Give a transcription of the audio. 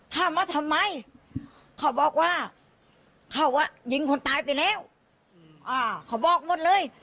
เข้ามาทำไมเขาบอกว่าเขาอ่ะยิงคนตายไปแล้วเขาบอกหมดเลย